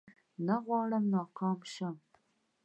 نه غواړم ناکام شم